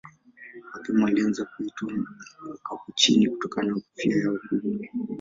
Mapema walianza kuitwa Wakapuchini kutokana na kofia yao kubwa.